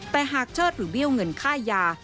แต่หากเชิดหรือเบี้ยวเงินค่ายา